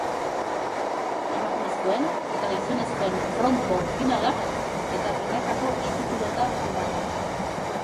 Emakumezkoen eta gizonezkoen frontball finalak eta binakako eskupilota finalak.